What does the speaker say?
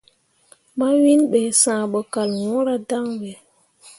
Mawiŋ be, sããh bo kal wɲǝǝra dan.